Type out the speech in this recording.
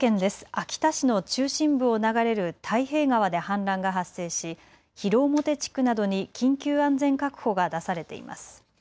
秋田市の中心部を流れる太平川で氾濫が発生し広面地区などに緊急安全確保が出されています。